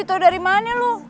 ini tau dari mana lo